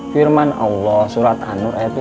firman allah surat anur ayat enam